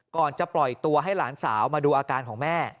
ก่อนจะปล่อยตัวให้หลานสาวมาดูอาการของแม่